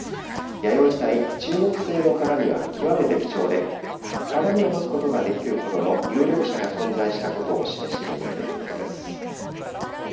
弥生時代中国製の鏡は極めて貴重で鏡を持つことができるほどの有力者が存在したことを示しているということです。